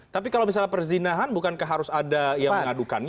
tapi kalau misalnya perzinahan bukankah harus ada yang mengadukan